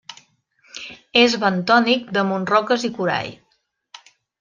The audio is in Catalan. És bentònic damunt roques i corall.